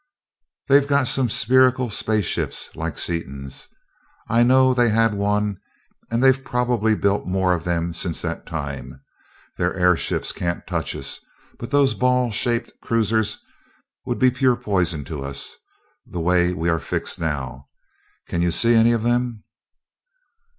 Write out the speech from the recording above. "They've got some spherical space ships, like Seaton's. I know they had one, and they've probably built more of them since that time. Their airships can't touch us, but those ball shaped cruisers would be pure poison for us, the way we are fixed now. Can you see any of them?"